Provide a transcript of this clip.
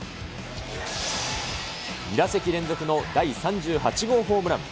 ２打席連続の第３８号ホームラン。